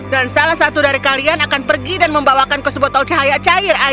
dan salah satu dari kalian akan pergi dan membawakan ke sebotol cahaya cair ayahmu